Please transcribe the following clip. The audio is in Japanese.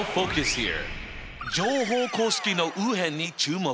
乗法公式の右辺に注目！